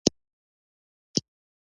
آمو سیند د افغانستان د سیلګرۍ برخه ده.